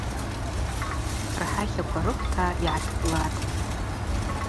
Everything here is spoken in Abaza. Рхӏатлаква рыквта йгӏатпӏлатӏ.